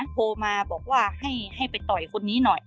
โทรมาบอกว่าให้ไปต่อยคนนี้หน่อย